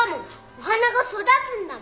お花が育つんだもん。